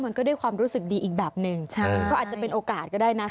มันก็ด้วยความรู้สึกดีอีกแบบหนึ่งใช่ก็อาจจะเป็นโอกาสก็ได้นะคะ